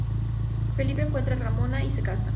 Felipe encuentra a Ramona y se casan.